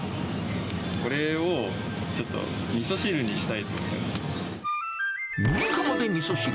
これをちょっと、みそ汁にしたいと思います。